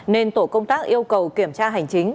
nên tổ công tác yêu cầu kiểm tra hành chính